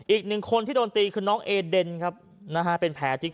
อีกหนึ่งคนที่โดนตีคือน้องเอเดนเป็นแผลที่ก้น